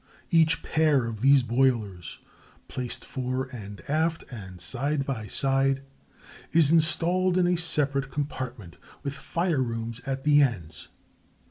Each pair of these boilers, placed fore and aft and side by side, is installed in a separate compartment, with fire rooms at the ends.